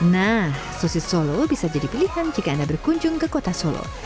nah sosis solo bisa jadi pilihan jika anda berkunjung ke kota solo